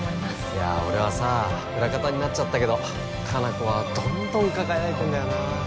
いや俺はさ裏方になっちゃったけど果奈子はどんどん輝いてんだよな